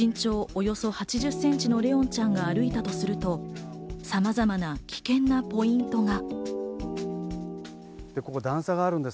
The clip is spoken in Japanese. およそ８０センチの怜音ちゃんが歩いたとすると、さまざまな危険なポイントが。